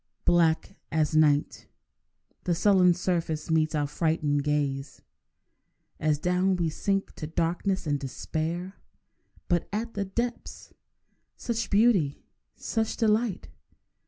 Black as night The sullen surface meets our frightened gaze, As down we sink to darkness and despair. But at the depths—such beauty! such delight!